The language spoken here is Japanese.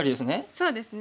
そうですね